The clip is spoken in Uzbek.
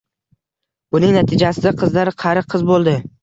Buning natijasida qizlar qari qiz boʻldi.